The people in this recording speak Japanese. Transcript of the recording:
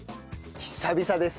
久々です。